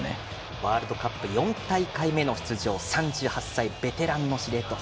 ワールドカップ４大会目の出場、３８歳ベテランの司令塔。